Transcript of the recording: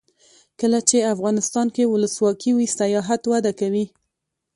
کله چې افغانستان کې ولسواکي وي سیاحت وده کوي.